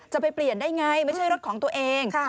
จะไปเปลี่ยนได้ไงไม่ใช่รถของตัวเอง